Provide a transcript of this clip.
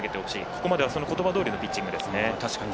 ここまでは、そのことばどおりのピッチングですね。